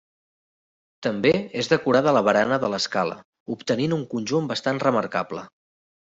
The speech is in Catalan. També és decorada la barana de l'escala obtenint un conjunt bastant remarcable.